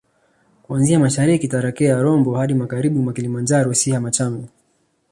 kuanzia mashariki Tarakea Rombo hadi magharibi kwa Kilimanjaro Siha Machame